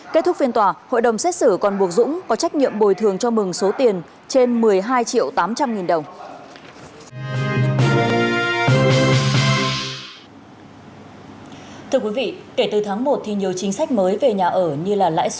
kết thúc phiên tòa hội đồng xét xử còn buộc dũng có trách nhiệm bồi thường cho mừng số tiền trên một mươi hai triệu tám trăm linh nghìn đồng